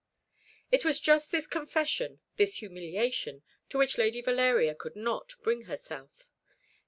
It was just this confession, this humiliation, to which Lady Valeria could not bring herself.